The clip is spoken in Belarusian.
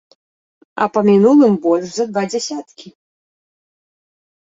А па мінулым больш за два дзясяткі.